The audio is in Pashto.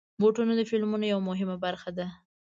بوټونه د فلمونو یوه مهمه برخه ده.